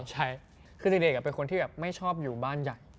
ใช่คือเด็กเป็นคนที่แบบไม่ชอบอยู่บ้านใหญ่